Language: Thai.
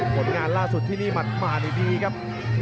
ผลงานล่าสุดที่นี่หมัดดีครับ